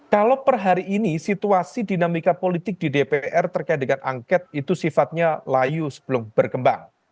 kalau per hari ini situasi dinamika politik di dpr terkait dengan angket itu sifatnya layu sebelum berkembang